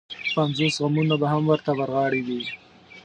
پنځوس غمونه به هم ورته ورغاړې وي.